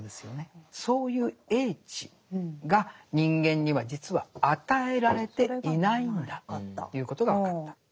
そういう叡智が人間には実は与えられていないんだっていうことが分かった。